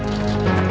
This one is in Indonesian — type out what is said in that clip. lengkaf avk gak